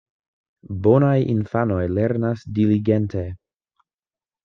Bonaj infanoj lernas diligente.